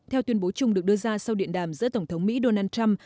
theo tuyên bố chung được đưa ra sau điện đàm giữa tổng thống mỹ donald trump